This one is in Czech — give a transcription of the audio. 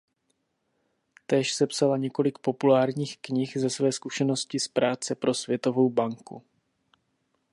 Též sepsala několik populárních knih ze své zkušenosti z práce pro Světovou banku.